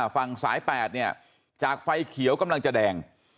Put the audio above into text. ฝั่งสาย๘เนี่ยจากไฟเขียวกำลังจะแดง